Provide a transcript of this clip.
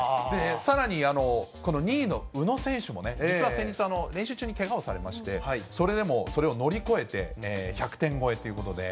さらにこの２位の宇野選手も、実は先日、練習中にけがをされまして、それでもそれを乗り越えて、１００点超えということで。